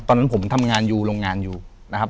ตอนนั้นผมทำงานอยู่โรงงานอยู่นะครับ